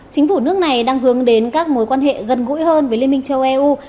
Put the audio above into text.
chính phủ nước này đang hướng đến các mối quan hệ gần gũi hơn với liên minh châu âu